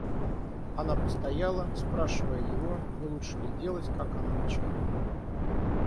Она постояла, спрашивая его, не лучше ли делать, как она начала.